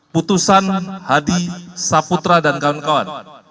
putusan hadi saputra dan kawan kawan